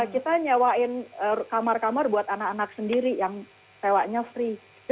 kita nyewain kamar kamar buat anak anak sendiri yang sewanya free